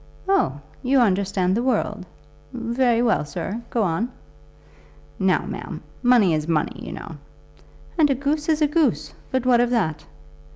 "Oh, you understand the world. Very well, sir. Go on." "Now, ma'am, money is money, you know." "And a goose is a goose; but what of that?"